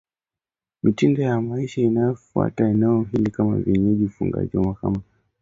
mitindo ya maisha inayofuatwa eneo hili kama vile ufugaji wa kuhamahama uhamaji wa kila